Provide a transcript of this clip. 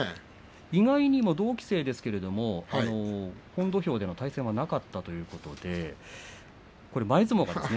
意外にも同期生ですけれども本土俵での対戦はなかったということでこれは前相撲ですね。